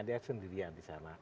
dia sendirian di sana